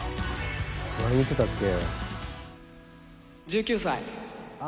「何言ってたっけ？」